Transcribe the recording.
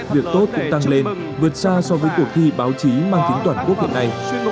việc tốt cũng tăng lên vượt xa so với cuộc thi báo chí mang tính toàn quốc hiện nay